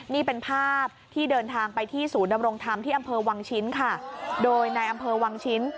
นี่เป็นภาพที่เดินทางไปที่ศูนย์ดำรงธรรมที่อำเภอวังชิ้นค่ะโดยในอำเภอวังชิ้น